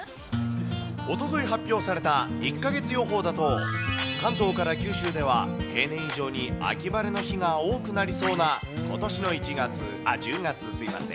おととい発表された１か月予報だと関東から九州では、平年以上に秋晴れの日が多くなりそうなことしの１月、ああ１０月、すみません。